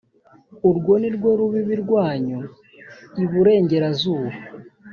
urwo ni rwo rubibi rwanyu iburengerazuba.